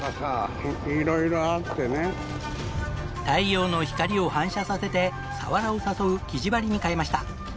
太陽の光を反射させてサワラを誘う擬餌針に変えました。